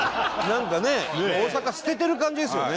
なんかね大阪捨ててる感じですよね。